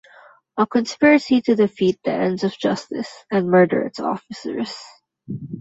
A conspiracy to defeat the ends of justice, and murder its officers.